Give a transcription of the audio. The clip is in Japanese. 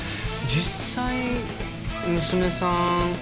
実際娘さん